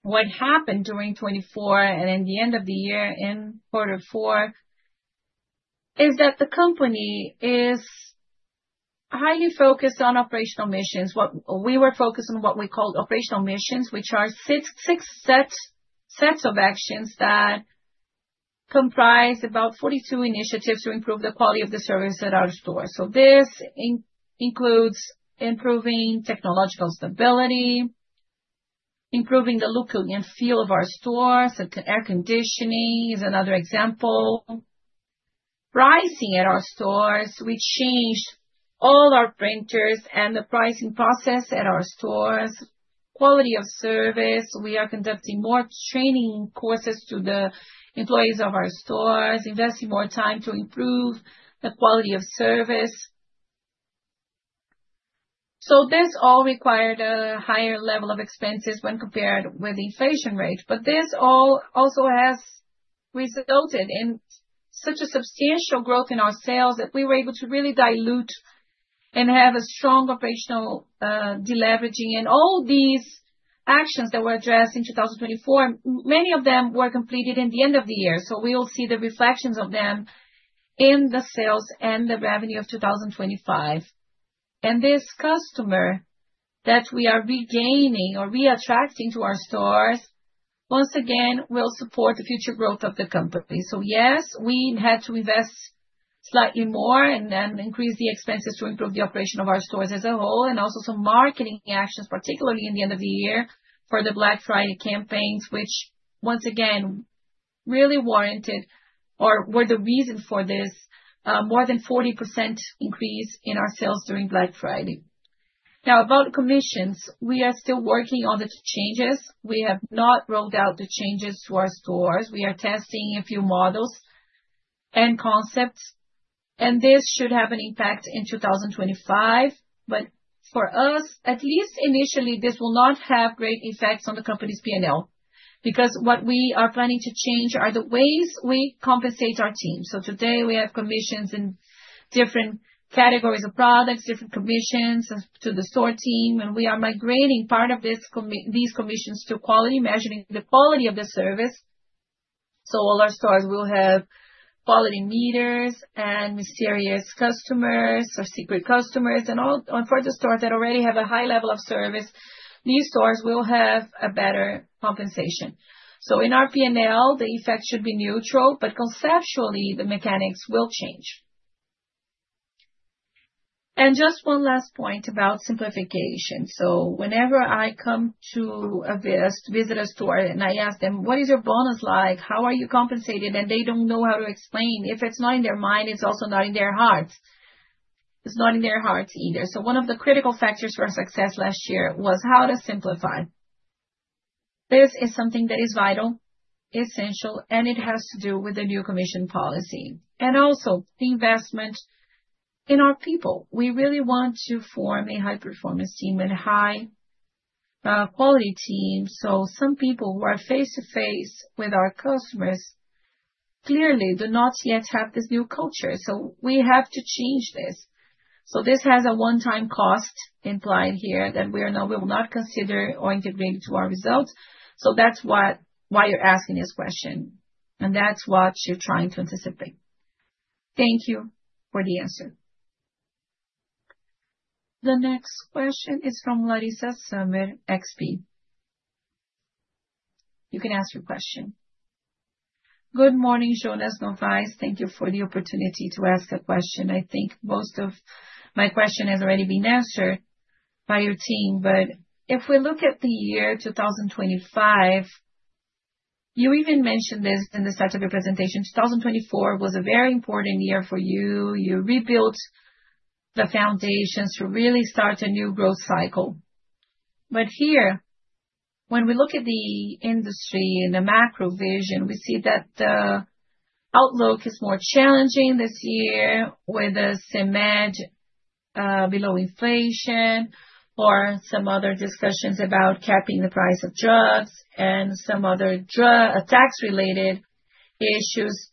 what happened during 2024 and in the end of the year in quarter four is that the company is highly focused on operational missions. We were focused on what we called operational missions, which are six sets of actions that comprise about 42 initiatives to improve the quality of the service at our store. This includes improving technological stability, improving the look and feel of our stores. Air conditioning is another example. Pricing at our stores. We changed all our printers and the pricing process at our stores. Quality of service. We are conducting more training courses to the employees of our stores, investing more time to improve the quality of service. This all required a higher level of expenses when compared with the inflation rate. This all also has resulted in such a substantial growth in our sales that we were able to really dilute and have a strong operational deleveraging. All these actions that were addressed in 2024, many of them were completed in the end of the year. We will see the reflections of them in the sales and the revenue of 2025. This customer that we are regaining or reattracting to our stores, once again, will support the future growth of the company. Yes, we had to invest slightly more and then increase the expenses to improve the operation of our stores as a whole. Also, some marketing actions, particularly in the end of the year for the Black Friday campaigns, which once again really warranted or were the reason for this more than 40% increase in our sales during Black Friday. Now, about commissions, we are still working on the changes. We have not rolled out the changes to our stores. We are testing a few models and concepts. This should have an impact in 2025. For us, at least initially, this will not have great effects on the company's P&L because what we are planning to change are the ways we compensate our team. Today, we have commissions in different categories of products, different commissions to the store team. We are migrating part of these commissions to quality, measuring the quality of the service. All our stores will have quality meters and mysterious customers or secret customers. For the stores that already have a high level of service, these stores will have a better compensation. In our P&L, the effect should be neutral, but conceptually, the mechanics will change. Just one last point about simplification. Whenever I come to visit a store and I ask them, "What is your bonus like? How are you compensated?" and they do not know how to explain. If it is not in their mind, it is also not in their hearts. It is not in their hearts either. One of the critical factors for success last year was how to simplify. This is something that is vital, essential, and it has to do with the new commission policy. Also, the investment in our people. We really want to form a high-performance team and high-quality team. Some people who are face-to-face with our customers clearly do not yet have this new culture. We have to change this. This has a one-time cost implied here that we will not consider or integrate into our results. That is why you are asking this question. That's what you're trying to anticipate. Thank you for the answer. The next question is from Laryssa Sumer, XP. You can ask your question. Good morning, Jonas, Novais. Thank you for the opportunity to ask a question. I think most of my question has already been answered by your team. If we look at the year 2025, you even mentioned this in the start of your presentation. 2024 was a very important year for you. You rebuilt the foundations to really start a new growth cycle. Here, when we look at the industry and the macro vision, we see that the outlook is more challenging this year with a CMED below inflation or some other discussions about capping the price of drugs and some other tax-related issues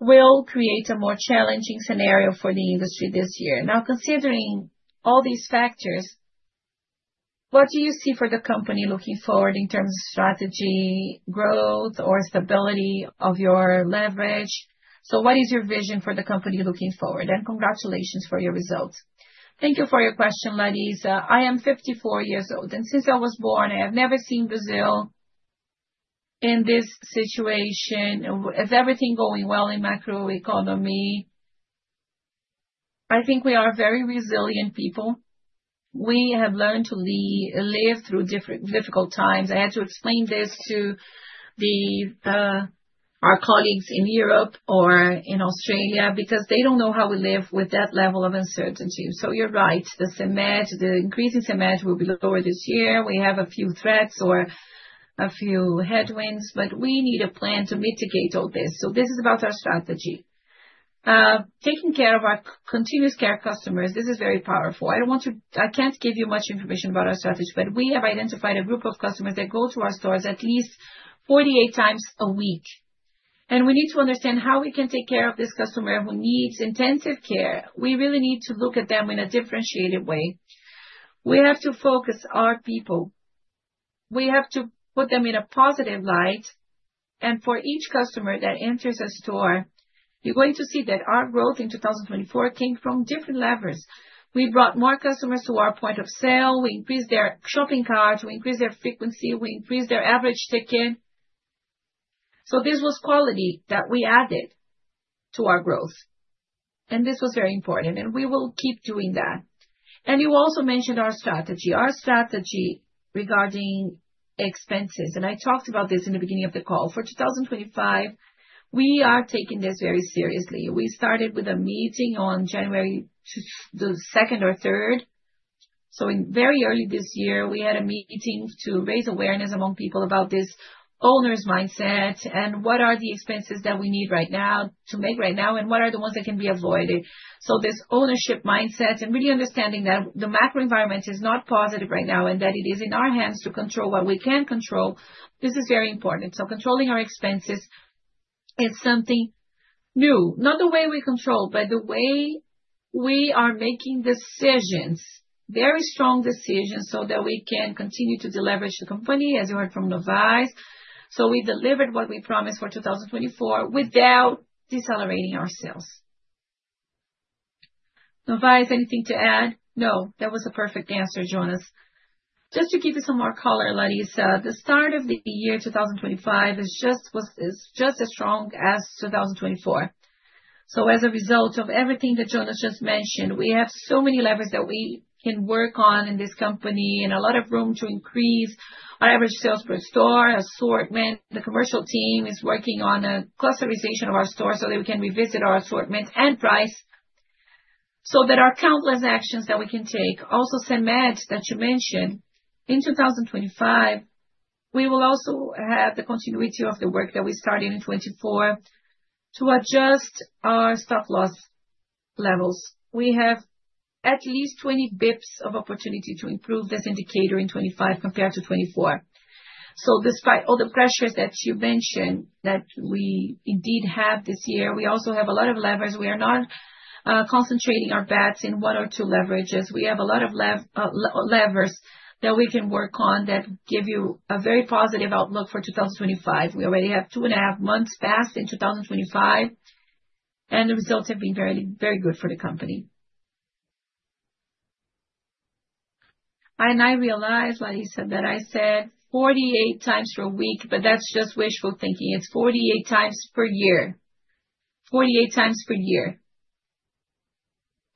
will create a more challenging scenario for the industry this year. Now, considering all these factors, what do you see for the company looking forward in terms of strategy, growth, or stability of your leverage? What is your vision for the company looking forward? Congratulations for your results. Thank you for your question, Laryssa. I am 54 years old. Since I was born, I have never seen Brazil in this situation. With everything going well in macroeconomy, I think we are very resilient people. We have learned to live through difficult times. I had to explain this to our colleagues in or in because they do not know how we live with that level of uncertainty. You are right. The CMED, the increasing CMED will be lower this year. We have a few threats or a few headwinds, but we need a plan to mitigate all this. This is about our strategy. Taking care of our continuous care customers, this is very powerful. I do not want to—I cannot give you much information about our strategy, but we have identified a group of customers that go to our stores at least 48 times a week. We need to understand how we can take care of this customer who needs intensive care. We really need to look at them in a differentiated way. We have to focus our people. We have to put them in a positive light. For each customer that enters a store, you are going to see that our growth in 2024 came from different levers. We brought more customers to our point of sale. We increased their shopping cart. We increased their frequency. We increased their average ticket. This was quality that we added to our growth. This was very important. We will keep doing that. You also mentioned our strategy. Our strategy regarding expenses. I talked about this in the beginning of the call. For 2025, we are taking this very seriously. We started with a meeting on January 2nd or 3rd. Very early this year, we had a meeting to raise awareness among people about this owner's mindset and what are the expenses that we need right now to make right now and what are the ones that can be avoided. This ownership mindset and really understanding that the macro environment is not positive right now and that it is in our hands to control what we can control, this is very important. Controlling our expenses is something new. Not the way we control, but the way we are making decisions, very strong decisions so that we can continue to deleverage the company, as you heard from Novais. We delivered what we promised for 2024 without decelerating ourselves. Novais, anything to add? No, that was a perfect answer, Jonas. Just to give you some more color, Laryssa, the start of the year 2025 is just as strong as 2024. As a result of everything that Jonas just mentioned, we have so many levers that we can work on in this company and a lot of room to increase our average sales per store, assortment. The commercial team is working on a clusterization of our store so that we can revisit our assortment and price. There are countless actions that we can take. Also, CMED that you mentioned, in 2025, we will also have the continuity of the work that we started in 2024 to adjust our stock loss levels. We have at least 20 bps of opportunity to improve this indicator in 2025 compared to 2024. Despite all the pressures that you mentioned that we indeed have this year, we also have a lot of levers. We are not concentrating our bets in one or two leverages. We have a lot of levers that we can work on that give you a very positive outlook for 2025. We already have two and a half months passed in 2025, and the results have been very good for the company. I realized, Laryssa, that I said 48 times per week, but that's just wishful thinking. It's 48 times per year. 48 times per year.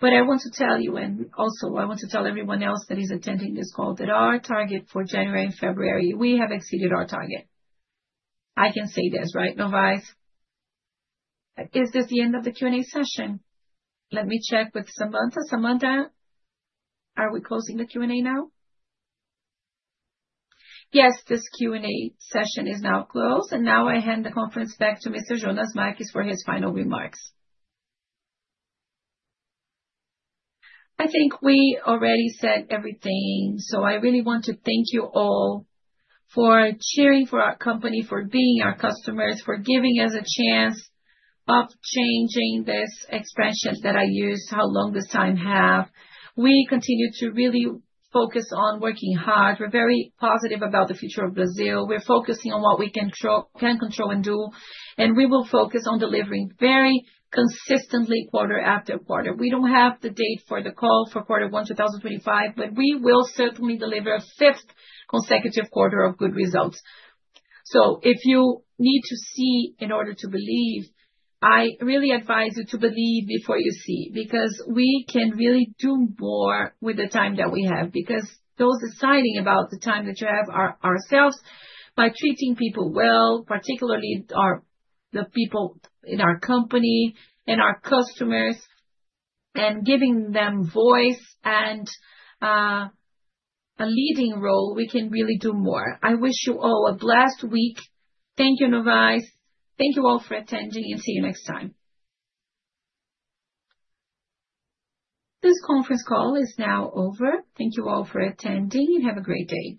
I want to tell you, and also I want to tell everyone else that is attending this call that our target for January and February, we have exceeded our target. I can say this, right, Novais? Is this the end of the Q&A session? Let me check with Samantha. Samantha, are we closing the Q&A now? Yes, this Q&A session is now closed. I hand the conference back to Mr. Jonas Marques for his final remarks. I think we already said everything. I really want to thank you all for cheering for our company, for being our customers, for giving us a chance of changing this expression that I used how long this time have. We continue to really focus on working hard. We are very positive about the future of Brazil. We are focusing on what we can control and do. We will focus on delivering very consistently quarter after quarter. We do not have the date for the call for quarter one, 2025, but we will certainly deliver a fifth consecutive quarter of good results. If you need to see in order to believe, I really advise you to believe before you see because we can really do more with the time that we have because those deciding about the time that you have are ourselves. By treating people well, particularly the people in our company and our customers and giving them voice and a leading role, we can really do more. I wish you all a blessed week. Thank you, Novais. Thank you all for attending and see you next time. This conference call is now over. Thank you all for attending and have a great day.